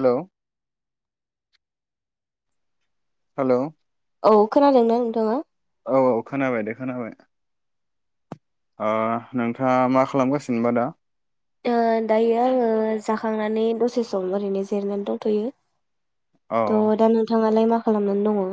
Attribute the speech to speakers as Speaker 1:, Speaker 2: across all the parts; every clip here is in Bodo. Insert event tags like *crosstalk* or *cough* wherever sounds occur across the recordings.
Speaker 1: हेल'। हेल'।
Speaker 2: औ खोनादोंना नोंथाङा?
Speaker 1: औ औ खोनाबाय दे खोनाबाय। ओ नोंथाङा मा खालामगासिनोबा दा?
Speaker 2: ओ दायो आङो जाखांनानै दसे सम ओरैनो जिरनानै दंथ'यो।
Speaker 1: औ
Speaker 2: थ' दा नोंथाङालाय मा? खालामनानै दङ?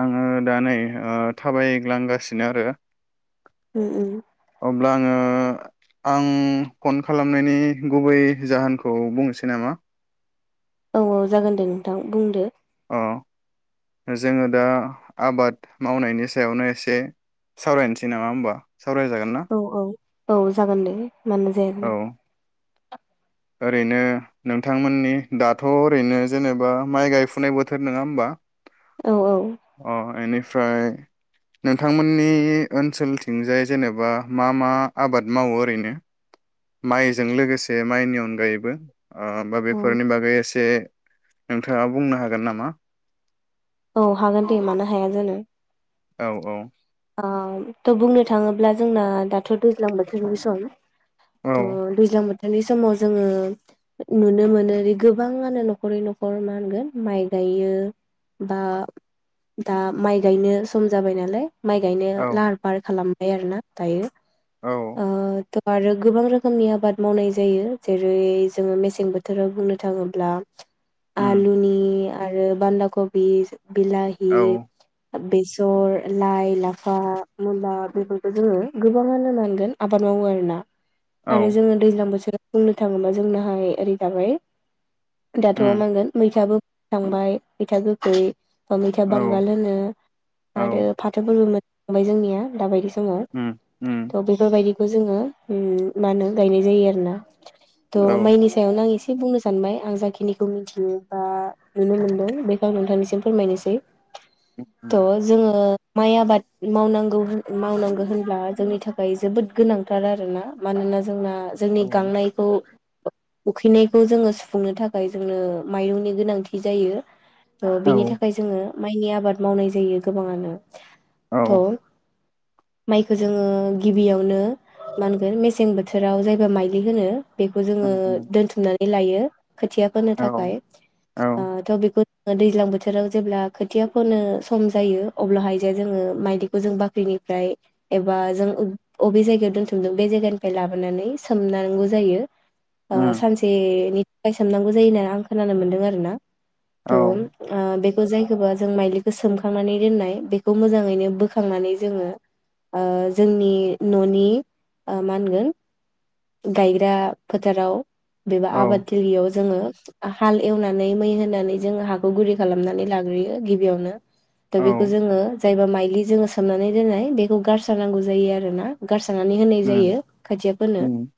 Speaker 1: आङो दा नै ओ थाबायग्लांगासिनो आरो।
Speaker 2: उम उम।
Speaker 1: अब्ला आङो आं फन खालामनायनि गुबै जाहोनखौ बुंनोसै नामा?
Speaker 2: औ औ जागोन दे नोंथां बुंदो।
Speaker 1: अ जोङो दा आबाद मावनायनि सायावनो एसे सावरायनोसै नामा होमबा? सावरायजागोन ना?
Speaker 2: औ औ औ जागोन दे। मानो जाया
Speaker 1: औ
Speaker 2: जानो।
Speaker 1: ओरैनो नोंथांमोननि दाथ' ओरैनो जेनेबा माइ गायफुनाय बोथोर नोङा होमबा?
Speaker 2: औ
Speaker 1: अ एनि फ्राय नोंथांमोननि ओनसोलथिंजाय जेनेबा मा मा आबाद मावो ओरैनो? माइजों लोगोसे माइनि अनगायैबो। ओ होमबा
Speaker 2: औ
Speaker 1: बेफोरनि बागै एसे जे नोंथाङा बुंनो हागोन नामा?
Speaker 2: औ हागोन दे मानो हाया जानो।
Speaker 1: औ औ।
Speaker 2: ओ त' बुंनो थाङोब्ला जोंना दाथ' दैज्लां बोथोरनि सम
Speaker 1: औ
Speaker 2: थ' दैज्लां बोथ थोरनिनि समाव जोङो नुनो मोनो गोबाङानो न'खरै न'खर मा होनगोन माइ गायो बा दा माइ गायनो सम जाबाय नालाय माइ गायनो
Speaker 1: औ
Speaker 2: लाहार फाहार खालाम बाय आरो ना दायो।
Speaker 1: औ
Speaker 2: ओ थ' आरो गोबां रोखोमनि आबाद मावनाय जायो जेरै जोङो मेसें बोथोराव बुंनो थाङोब्ला
Speaker 1: उम
Speaker 2: आलुनि आरो बान्दा क बि बिलाहि
Speaker 1: औ
Speaker 2: बेसर, लाइ, लाफा, मुला बेफोरखौ जोङो गोबाङानो मोहोनगोन आबाद मावो आरोना।
Speaker 1: औ
Speaker 2: आरो जोंङो दैज्लां बोथोराव बुंनो थाङोबा जोंनाहाय ओरै दाबाय दाथ'
Speaker 1: उम
Speaker 2: माहोनगोन मैथाबो थांबाय मैथा गोग खै अ' मैथा
Speaker 1: औ
Speaker 2: बांगाल होनो
Speaker 1: औ
Speaker 2: आरो फाथोफोरबो मोन ओमफ्राय जोंनिया दाबायदि समाव
Speaker 1: उम उम
Speaker 2: थ' बेफोरबायदि खौबो जोङो ओ मा होनो गायनाय जायो आरो ना। थ'
Speaker 1: औ
Speaker 2: माइनि सायावनो आं एसे बुंनो सानबाय आं जाखिनिखौ मिथियो बा नुनो मोनदों बे खौ आं नोंथांनिसिम फोरमायनोसै।
Speaker 1: उम
Speaker 2: थ' जोङो माइ आबाद मावनांगौ हो मावनांगौ होनब्ला जोंनि थाखाय जोबोद गोनांथार आरोना। मानोना जोंना जोंनि
Speaker 1: औ
Speaker 2: गांनायखौ उखैनायखौ जोङो सुफुंनो थाखाय जोंनो माइरंनि गोनांथि जायो। औ बिनि थाखाय जोङो माइनि आबाद मावनाय जायो गोबाङानो। थ'
Speaker 1: औ
Speaker 2: माइखौ जोङो गिबियावनो मा होनगोन मेसें बोथोराव जायबा माइलि होनो बेखौ जोङो
Speaker 1: उम उम
Speaker 2: दोनथुमनानै लायो। खोथिया फोनो
Speaker 1: औ
Speaker 2: थाखाय
Speaker 1: औ
Speaker 2: ओ थ' बेखौ ओ दैज्लां बोथोराव जेब्ला खोथिया फोनो सम जायो अब्लाहाय जे जोङो माइदिखौ जों बाख्रिनिफ्राय एबा जों अबे जायगायाव दोनथुमदों बे जायगानिफ्राय लाबोनानै सोमनांगौ जायो। ओ
Speaker 1: उम
Speaker 2: सानसेनि बाय सोमनांगौ जायो होना आं खोनानो मोन्दों आरो ना।
Speaker 1: औ
Speaker 2: थ' आ बे जायखोबा जों माइलिखौ सोमखांनानै दोननाय बेखौ मोजाङैनो बोखांनानै जोङो ओ जोंनि न'नि ओ मा होनगोन गायग्रा फोथाराव बेबो
Speaker 1: औ
Speaker 2: आबाद थिलियाव जोङो हाल एवनानै मै होनानै जोङो हाखौ गुरै खालामनानै लाग्रोयो गिबियावनो। दा बेखौ जोङो जायबा माइलि जोङो सोमनानै दोननाय बेखौ गारसारनांगौ जायो आरो ना। गारस्रा नानै होनाय
Speaker 1: उम
Speaker 2: जायो खोथिया फोनो।
Speaker 1: उम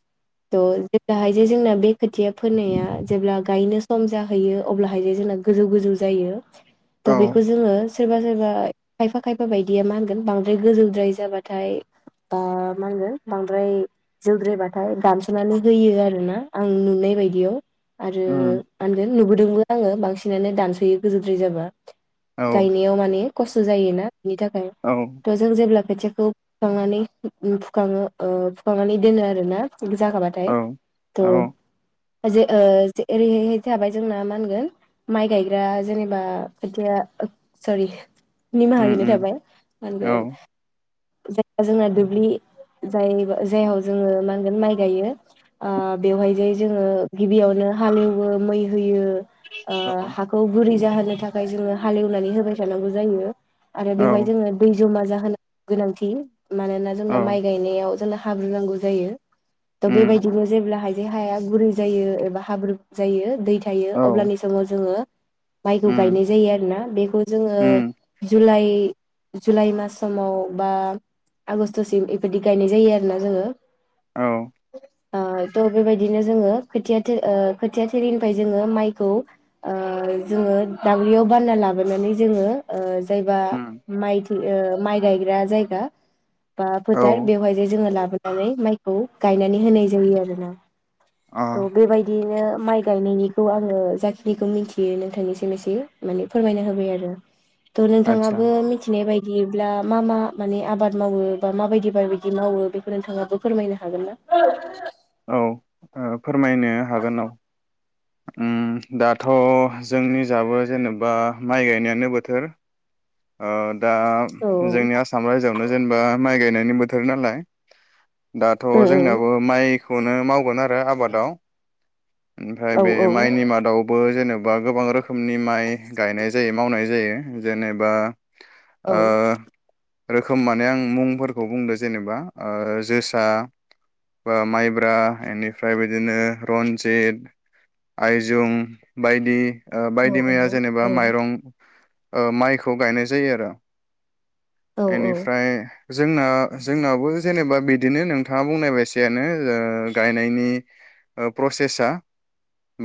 Speaker 2: थ' जेराहाय जे जोंना बे खोथिया फोनाया जेब्ला गायनो सम जाहैयो अब्लाहाय जे जोंना गोजौ गोजौ जायो।
Speaker 1: औ
Speaker 2: थ' बेखौ जोङो सोरबा सोरबा खायफा खायफा बायदिया मा होनगोन बांद्राय गोजौद्राय जाबाथाय बा मा होनगोन बांद्राय जौद्रायबाथाय दानस'नानै होयो आरो ना आं नुनाय बायदियाव। आरो
Speaker 1: उम
Speaker 2: मा ओनगोन? नुबोदोंमोन आङो बांसि सिनानो दानस'यो गोजौद्राय जाबा।
Speaker 1: औ
Speaker 2: गायनायाव माने खस्थ' जायोना। बिनि थाखाय
Speaker 1: औ
Speaker 2: थ' जों जेब्ला खोथियाखौ फुखांनानै फुखाङो ओ फुखांनानै दोनो आरो ना। फुनो जागाबाथाय त'
Speaker 1: औ औ
Speaker 2: जे ओ जेरैहाय थाबाय जोंना मा होनगोन? माइ गायग्रा जेनेबा खोथिया ओट सरि।
Speaker 1: उम
Speaker 2: निमाहा बिनाय
Speaker 1: उम
Speaker 2: थाबाय मा
Speaker 1: औ
Speaker 2: *unintelligible* जाय जोंना दुब्लि जाय जायनाव जोंङो मा होनगोन माइ गायो आ बेवहाय जाय जोङो गिबियावनो हालेवो मै होयो। ओ
Speaker 1: औ
Speaker 2: हाखौ गुरै जाहोन होनो थाखाय जोंङो हालेवनानै होबाय थानांगौ जायो आरो
Speaker 1: औ
Speaker 2: बेवहाय जोङो दै जमा जाहोना गोनांथि मानोना जोंना
Speaker 1: औ
Speaker 2: माइ गायनायाव जोना हाब्र नांगौ जायो। त'
Speaker 1: उम
Speaker 2: बेबायदिबो जेब्लाहाय जे हाया गुरै जायो एबा हाब्रु जायो दै था थायो
Speaker 1: औ
Speaker 2: अब्लानि दङ जोङो माइखौ
Speaker 1: उम
Speaker 2: गायनाय जायो आरोना बेखौ जोङो
Speaker 1: उम
Speaker 2: जुलाइ इ जुलाइ मास समाव बा आगष्टसिम इफोददि गायनाय जायो आरोना जोङो
Speaker 1: औ
Speaker 2: *inaudible* आ त' बेबायदिनो जोङो खोथिया थि खोथिया थिलिनिफ्राय जोङो माइखौ ओ जोङो दाबैयाव बानना लाबोनानै जोङो जायबा
Speaker 1: उम
Speaker 2: माइ ओ माइ गायग्रा जायगा बा
Speaker 1: औ
Speaker 2: फोथार बेवहाय जोङो लाबो मोनानै माइखौ गायनानै होनाय जायो आरो ना
Speaker 1: अ
Speaker 2: थ' बेबायदियैनो माइ गायनायनिखौ आंङो जाखि बेखौ मिथियो नोंथांनिसिम एसे माने फोरमायना होबाय आरो थ
Speaker 1: आदसा
Speaker 2: नोंथाङाबो मिथिनाय बायदि बिदिब्ला मा मा माने आबाद मावो बा माबायदि बिायदि मावो बेखौ नोंथाङाबो फोरमायनो हागोन ना?
Speaker 1: औ फोरमायनो ओ हागोन औ। ओम दाथ' जोंनि जाबो जेनेबा माइ गायनायानो बोथोर ओ दा
Speaker 2: औ
Speaker 1: जोंनि आसाम रायजोआवनो जेनेबा माइ गायनाय बोथोर नालाय दाथ'
Speaker 2: औ
Speaker 1: जोंनाबो माइ कौंधो माव *unintelligible* आरो आबादाव ओमफ्राय
Speaker 2: औ
Speaker 1: बे माइनि मादावबो जेनेबा बा गोबां रोखोमनि माइ गायनाय जायो मावनाय जायो जेनेबा
Speaker 2: औ
Speaker 1: ओ रोखोम माने आं मुंफोरखौ बुंदो जेनेबा ओ जोसा बा माइब्रा एनिफ्राय बिदिनो रन्जित आयजुम बायदि बायदि मैया जेनेबा
Speaker 2: औ
Speaker 1: माइरं ओ माइखौ गायनाय जायो आरो।
Speaker 2: औ औ
Speaker 1: बेनिफ्राय जोंना जोंनाबो जेनेबा बिदिनो नोंथाङा बुंनाय बायसायानो गायनायनि प्रसेसआ।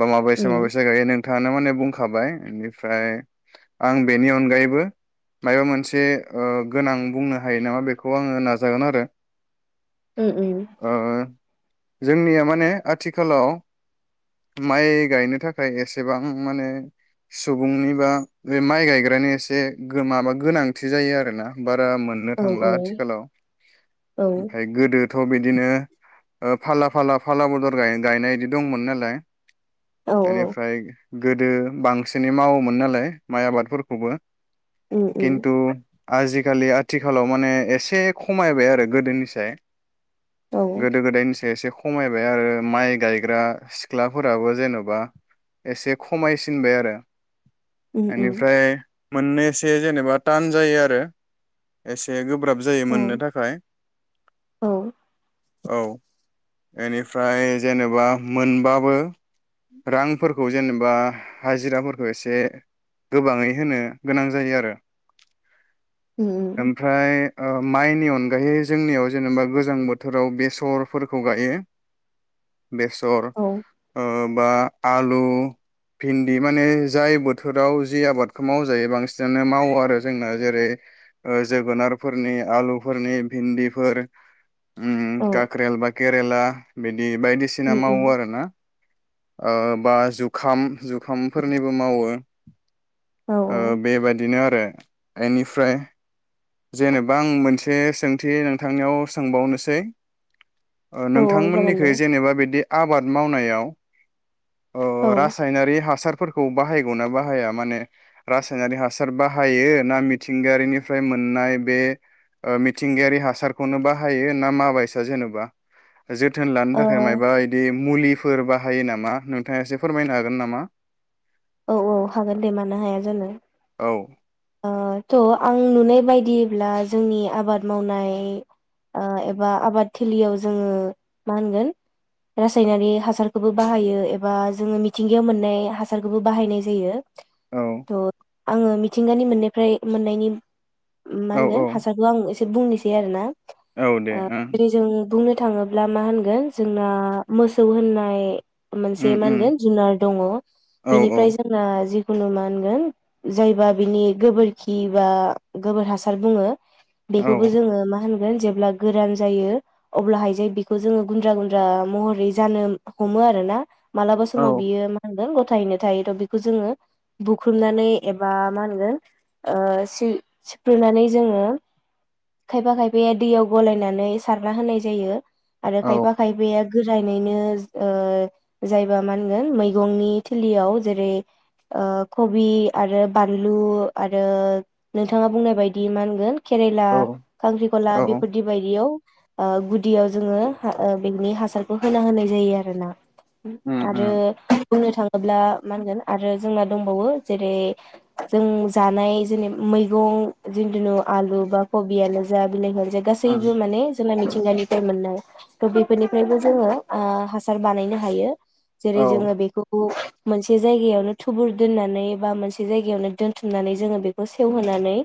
Speaker 1: बा माबायसा
Speaker 2: उम
Speaker 1: माबायसा गायो नों थांआनो माने बुंखाबाय इनिफ्राय आं बेनि अनगायैबो माबा मोनसे ओ गोनां बुंनो हायो नामा बेखौ आङो नाजागोन आरो।
Speaker 2: ओम ओम
Speaker 1: ओ जोंनिया माने आथिखालाव माइ गायनो थाखाय एसेबां माने सुबुंनिबा बे माइ गायग्रानि एसे माबा गोनांथि जायो आरोना। बारा मोननो
Speaker 2: औ
Speaker 1: थांला आथिखालाव
Speaker 2: औ
Speaker 1: ओमफ्राय गोदोथ' बि दिनो फाला फाला फाला बदर गायनाय इदि दंमोन नालाय
Speaker 2: औ
Speaker 1: एनिफ्राइ गोदो बांसिनै मावोमोन नालाय माइ आबादफोरखौबो
Speaker 2: उम उम
Speaker 1: खिन्थु आजिखालि आथिखालाव माने एसे खमायबाय आरो गोदोनिसाय
Speaker 2: औ
Speaker 1: गोदो गोदायनिसाय एसे खमायबाय आरो माइ गाय ग्रा सिख्लाफोराबो जेन'बा एसे खमायसिनबाय आरो
Speaker 2: उम उम
Speaker 1: एनिफ्राय मोननै एसे जेनेबा टान जायो आरो एसे गो ब्राब जायो
Speaker 2: औ
Speaker 1: मोननो थाखाय
Speaker 2: औ
Speaker 1: औ एनिफ्राय जेनेबा मोनबाबो रांफोरखौ जेनेबा हाजिराफोरखौ एसे गोबाङै होनो गोनां जायो आरो।
Speaker 2: उम उम
Speaker 1: ओमफ्राय ओ माइनि अनगायै जोंनियाव जेनेबा गोजां बोथोराव बेसरफोरखौ गायो बेस र
Speaker 2: औ अ
Speaker 1: ओ बा आलु भिन्दि माने जाय बोथोराव जि आबादखौ मावजायो बांसिनानो मावो आरो जोंना जेरै ओ जोगोनारफोरनि आलुफोरनि भिन्दिफोर ओम काक्रेल बा केरेला बिदि बाय दि
Speaker 2: उम उम
Speaker 1: मावो आरोना। ओ बा जुखाम जु खामफोरनिबो मावो
Speaker 2: औ
Speaker 1: ओ बेबायदिनो आरो। एनिफ्राय जेनेबा आं मोनसे सोंथि नोंथांनियाव सोंबावनोसै ओ
Speaker 2: औ जागोन
Speaker 1: नोंथांमोननिखै
Speaker 2: दे
Speaker 1: जेनेबा बे बे आबाद मावनायाव अ
Speaker 2: औ
Speaker 1: रासायनारि हासार फोरखौ बाहायगौना बाहाया माने रासायनारि हासार बाहायो ना मिथिंगायारिनिफ्राय मोननाय बे ओ मिथिंगायारि हासारखौनो बाहायो ना माबायसा जेनेबा जोथोन लानो
Speaker 2: ओ
Speaker 1: थाखाय मायबा बे मुलिफोर बाहायो नामा नोंथाङा एसे फोरमायनो हागोन नामा?
Speaker 2: औ औ हागोन दे मानो हाया जानो
Speaker 1: औ
Speaker 2: ओ थ' आं नुनाय बायदियैब्ला जोंनि आबाद मावनाय आ एबा आबाद थिलियाव जोङो मा होनगोन रासायनारि हासारखोबो बाहायो एबा जोङो मिथिंगायाव मोननाय हासारखोबो बाहायनाय जायो
Speaker 1: औ
Speaker 2: थ' आङो मिथ थिंगानि मोननायफ्राय मोननायनि मा
Speaker 1: औ
Speaker 2: होनगोन
Speaker 1: औ
Speaker 2: हासारखौ आं एस बुंनोसै आरो ना
Speaker 1: औ दे ओं
Speaker 2: *unintelligible* जों बुंनो थाङोब्ला मा होनगोन जोंना मोसौ होननाय मोनसे
Speaker 1: उम
Speaker 2: मा
Speaker 1: उम
Speaker 2: होनगोन जुनार दङ'
Speaker 1: औ औ
Speaker 2: बेनिफ्राय जोंहा जि *unintelligible* मा होनगोन जायबा बिनि गोबोरखि बा गोबोर हासार बुङो बेखोबो
Speaker 1: औ
Speaker 2: जोङो मा होन जेब्ला गोरान जायो अब्लाहाय जे बेखौ जोङो गुन्द्रा गुन्द्रा महरै जानो हमो आरोना मालाबा
Speaker 1: औ
Speaker 2: समाव बियो मा होनगोन *unintelligible* *unintelligible* थायो बेखौ जोङो बुख्रुमनानै एबा मा होनगोन ओ सुइ सिफ्रुनानै जोङो खायफा खायफाया दैयाव गलायनानै सारना होनाय जायो आरो
Speaker 1: औ
Speaker 2: खायफा खायफाया गोराननैनो ओ जायबा मा होनगोन मैगंनि थिलियाव जेरै ओ कबि आरो बानलु आरो नोंथाङा बुंनाय बायदि मा होनगोन केरेला
Speaker 1: औ
Speaker 2: खांख्रिखला
Speaker 1: औ
Speaker 2: बेफोरदि बायदियाव ओ गुदियाव जोङो बिनि हासारखौ होना होनाय जायो आरोना
Speaker 1: उम
Speaker 2: आरो
Speaker 1: उम
Speaker 2: बुंनो थाङोब्ला मा होनगोन आरो जोंना दंबावो जेरै जों जानाय जेने मैगं जिन्थुनु आलु बा कबियानो जा बिलाइ
Speaker 1: उम
Speaker 2: गासैबो माने *unintelligible* मिथिंगानिफ्राय मोननाय त बेफोरनिफ्रायबो जोङो ओ हासार बानायनो हायो
Speaker 1: औ
Speaker 2: जेरै जोङो बेफोरखौ मोनसे जायगायावनो थुबुर दोननानै एबा मोनसे जाय यावनो दोनथुमनानै जोङो बेखौ सेवहोनानै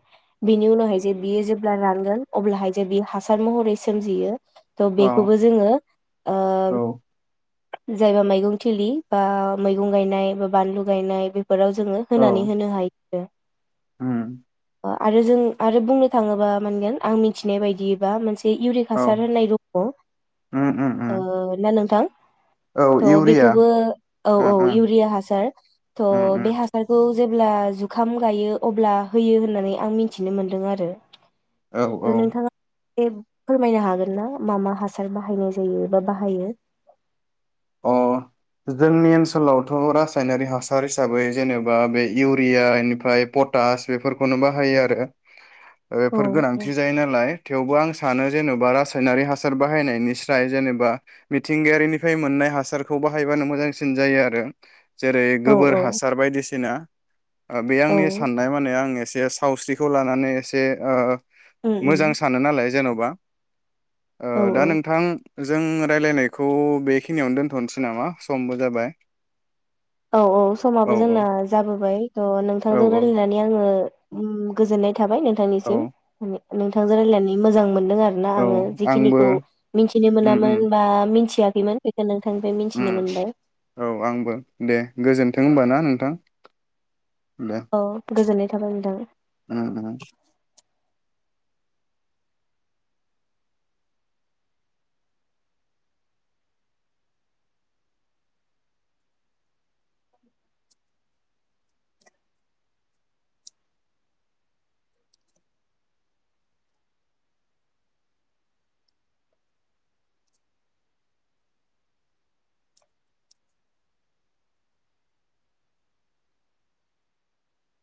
Speaker 2: बिनि उनावहाय जे बियो जेब्ला रानगोन अब्लाहाय जे बि हासार महरै सोमजियो थ
Speaker 1: औ
Speaker 2: बेखौबो जोङो ओ
Speaker 1: औ
Speaker 2: जायबा मैगं थिलि बा मैगं गायनाय बा बानलु गायनाय बे फोराव जोङो होनानै
Speaker 1: औ
Speaker 2: होनो *unintelligible*
Speaker 1: उम
Speaker 2: ओ आरो जों आरो बुंनो थाङोबा मा होनगोन आं मिथिनाय बायदिबा मोनस बे इउरिक
Speaker 1: औ
Speaker 2: हासार होननाय
Speaker 1: उम उम
Speaker 2: *unintelligible* ओ
Speaker 1: उम
Speaker 2: ना नोंथां?
Speaker 1: औ
Speaker 2: थ
Speaker 1: इउरिया
Speaker 2: बेखौबो औ
Speaker 1: ओं
Speaker 2: औ
Speaker 1: ओं
Speaker 2: इउरिया हासार थ
Speaker 1: उम उम
Speaker 2: बे हासारखौ जे ब्ला जुखाम गायो अब्ला होयो होननानै आं मिथिनो मोनदों आरो।
Speaker 1: औ औ
Speaker 2: थ' नोंथाङा *unintelligible* फोरमायनो हागोन ना मा मा हासार बाहायनाय जायो बा बाहायो।
Speaker 1: अ जोंनि ओनसोलावथ' रासायनारि हासार हिसाबै जेनेबा बे इउरिया इनिफ्राय पटास बेफोरखौनो बाहायो आरो।
Speaker 2: औ
Speaker 1: एफोर गोनांथि जायो नालाय थेवबो आंस सानो जेनबा रासायनारि हासार बाहायनायनि स्राय जेनेबा मिथिंगायारिनिफ्राय मोननाय हासारखौ बाहायबानो मोजांसिन जायो आरो। जेरै
Speaker 2: औ
Speaker 1: गोबोर हासार बायदिसिना। ओ बे
Speaker 2: औ
Speaker 1: आंनि साननाय माने आं एस एसे सावस्रिखौ लानानै एसे ओ
Speaker 2: उम
Speaker 1: मोजां
Speaker 2: उम
Speaker 1: सानो नालाय जेनबा ओ
Speaker 2: औ
Speaker 1: दा
Speaker 2: औ
Speaker 1: नोंथां जों रायलायनायखौ बेख खिनियावनो दोनथनोसै नामा समबो जाबाय
Speaker 2: औ औ समाबो जोंना जाबोबाय थ'
Speaker 1: औ
Speaker 2: नोंथांजों
Speaker 1: औ
Speaker 2: रायलायनानै आङो उम गोजोननाय थाबाय
Speaker 1: औ
Speaker 2: नोंथांनिसिम *unintelligible* नोंथांजों रायलायनानै मोजां मोन दों आरोना
Speaker 1: औ
Speaker 2: आङो जे
Speaker 1: आंबो
Speaker 2: खिनिखौ मिनथिनो
Speaker 1: उम उम
Speaker 2: मोनामोन‌ बा मिनथिया खैमोन बिखायनो
Speaker 1: उम औ आंबो दे। गोजोन्थों होनबा ना नोंथां। दे
Speaker 2: औ गोजोननाय थाबाय
Speaker 1: उम उम
Speaker 2: नोंथां।